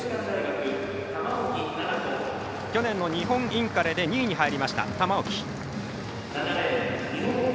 去年の日本インカレで２位に入った玉置。